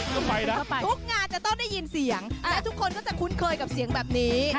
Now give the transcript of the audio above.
ก็ไปนะถ้าไปทุกงานจะต้องได้ยินเสียงและทุกคนก็จะคุ้นเคยกับเสียงแบบนี้